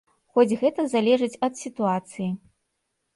Хоць гэта залежыць ад сітуацыі.